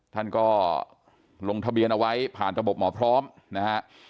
ท่านก็ลงทะเบียนเอาไว้ผ่านระบบหมอพร้อมนะฮะ